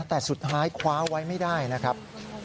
แต่สุดท้ายคว้าไว้ไม่ได้นะครับ